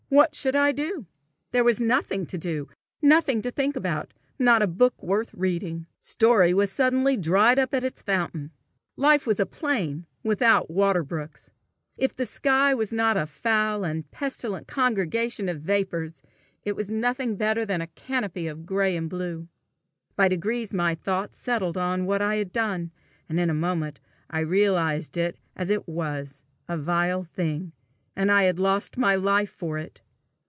What should I do? There was nothing to do, nothing to think about, not a book worth reading. Story was suddenly dried up at its fountain. Life was a plain without water brooks. If the sky was not "a foul and pestilent congregation of vapours," it was nothing better than a canopy of gray and blue. By degrees my thought settled on what I had done, and in a moment I realized it as it was a vile thing, and I had lost my life for it!